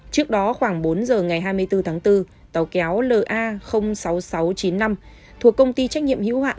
trước đó khoảng bốn giờ ngày hai mươi bốn tháng bốn tàu kéo la sáu nghìn sáu trăm chín mươi năm thuộc công ty trách nhiệm hữu hạn